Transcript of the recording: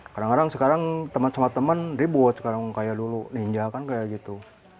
kadang kadang sekarang teman teman ribut sekarang kayak dulu ninja kan kayak gitu